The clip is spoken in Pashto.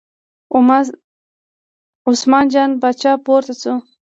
عثمان جان پاچا پورته شو.